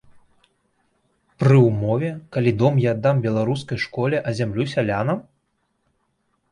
Пры ўмове, калі дом я аддам беларускай школе, а зямлю сялянам?